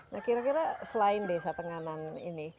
nah kira kira selain desa tenganan ini